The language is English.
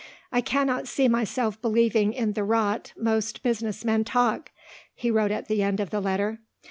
"I cannot see myself believing in the rot most business men talk," he wrote at the end of the letter.